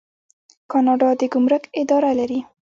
کاناډا د ګمرک اداره لري.